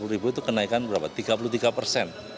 dua ratus empat puluh ribu itu kenaikan berapa tiga puluh tiga persen